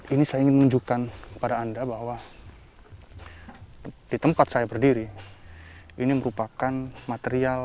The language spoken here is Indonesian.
ini saya ingin menunjukkan kepada anda bahwa di tempat saya berdiri ini merupakan material